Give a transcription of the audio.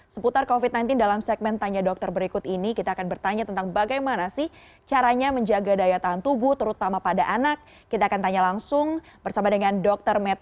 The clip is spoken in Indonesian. sehat dokter dokter meta bagaimana kondisinya sehat